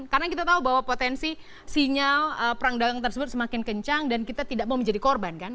karena kita tahu bahwa potensi sinyal perang dagang tersebut semakin kencang dan kita tidak mau menjadi korban kan